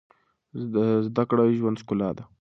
زده کړه د ژوند ښکلا ده.